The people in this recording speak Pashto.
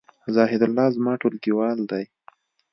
زاهیدالله زما ټولګیوال دی